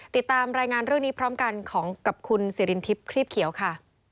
ติดตามรายงานเรื่องนี้พร้อมกันของกับคุณสิรินทิพย์ครีบเขียวค่ะ